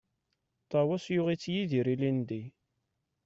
Ṭawes yuɣ-itt Yidir ilindi.